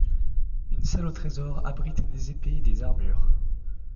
Une salle au trésor abrite des épées et des armures.